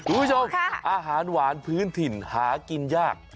คุณผู้ชมอาหารหวานพื้นถิ่นหากินยาก